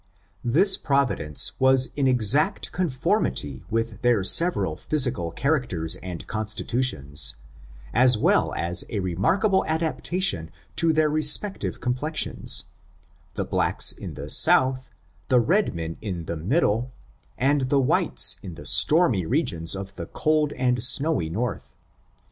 This providence was in exact conformity with their several physical characters and constitutions, ' as well as a remarkable adaptation to their respective complexions, the blacks in the south^ the red men in the middle, and the whites in the stormy regions of the cold and snowy north.